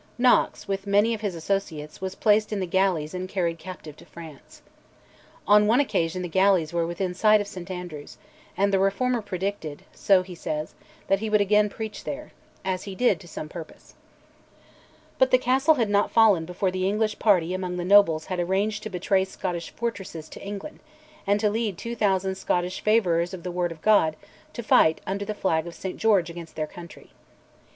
Knox, with many of his associates, was placed in the galleys and carried captive to France. On one occasion the galleys were within sight of St Andrews, and the Reformer predicted (so he says) that he would again preach there as he did, to some purpose. But the castle had not fallen before the English party among the nobles had arranged to betray Scottish fortresses to England; and to lead 2000 Scottish "favourers of the Word of God" to fight under the flag of St George against their country.